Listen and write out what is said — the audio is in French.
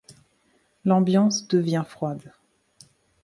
L'ambiance devient froide.